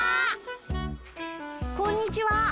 こんにちは。